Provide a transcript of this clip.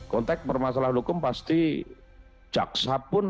kontek bermasalah hukum pasti jaksa pun